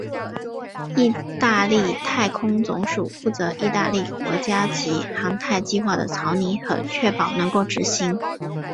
义大利太空总署负责义大利国家级航太计划的草拟和确保能够执行。